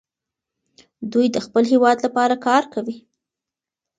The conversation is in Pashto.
دوی د خپل هېواد لپاره کار کوي.